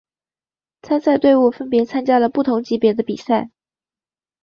参赛队伍分别参加了不同级别的比赛。